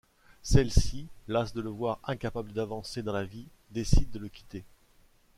Celle-ci, lasse de le voir incapable d'avancer dans la vie, décide de le quitter.